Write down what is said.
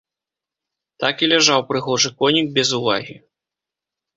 Так і ляжаў прыгожы конік без увагі.